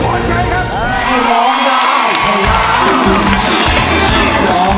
คุณถูกต้องต้องต้องต้องต้อง